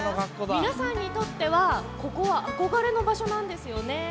皆さんにとってはここは憧れの場所なんですよね。